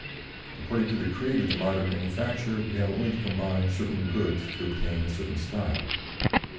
According to the creed of the modern manufacturer, you have only to combine certain "goods" to obtain a certain style.